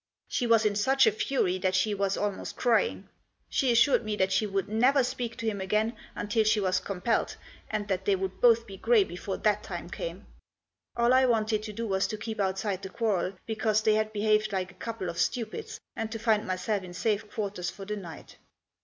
She was in such a fury that she was almost crying. She assured me that she would never speak to him again until she was compelled, and that they would both be grey before that time came. All I wanted to do was to keep outside the quarrel, because they had behaved like a couple of stupids, and to find myself in safe quarters for the night.